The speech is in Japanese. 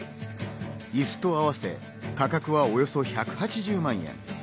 イスと合わせ価格はおよそ１８０万円。